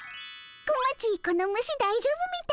小町この虫だいじょうぶみたい。